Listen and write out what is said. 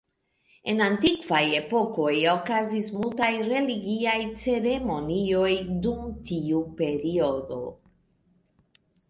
En antikvaj epokoj, okazis multaj religiaj ceremonioj dum tiu periodo.